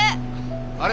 あれ？